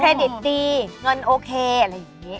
ดิตดีเงินโอเคอะไรอย่างนี้